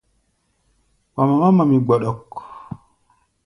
Wa mamá mami gbɔɗɔk.